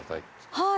はい。